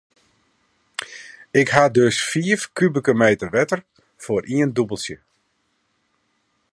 Ik ha dus fiif kubike meter wetter foar ien dûbeltsje.